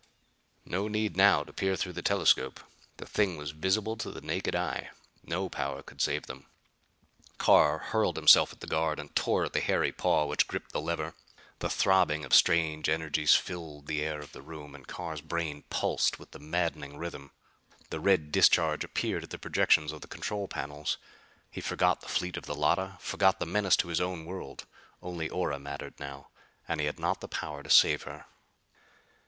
No need now to peer through the telescope. The thing was visible to the naked eye. No power could save them! Carr hurled himself at the guard and tore at the hairy paw which gripped the lever. The throbbing of strange energies filled the air of the room, and Carr's brain pulsed with the maddening rhythm. The red discharge appeared at the projections of the control panels. He forgot the fleet of the Llotta, forgot the menace to his own world. Only Ora mattered now, and he had not the power to save her!